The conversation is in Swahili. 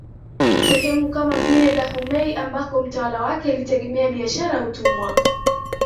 Sehemu kama vile Dahomey ambako mtawala wake alitegemea biashara ya utumwa